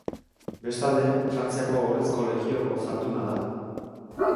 Bestalde, Frantziako Ohorezko Legioko Zalduna da.